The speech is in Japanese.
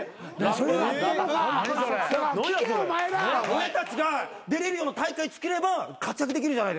俺たちが出れるような大会つくれば活躍できるじゃないですか。